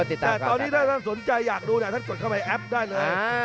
แต่ตอนนี้ถ้าท่านสนใจอยากดูนะท่านกดเข้าไปแอปได้เลย